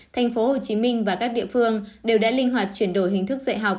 tp hcm và các địa phương đều đã linh hoạt chuyển đổi hình thức dạy học